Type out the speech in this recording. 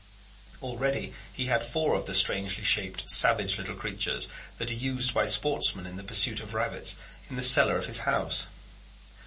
Already he had four of the strangely shaped savage little creatures, that are used by sportsmen in the pursuit of rabbits, in the cellar of his house.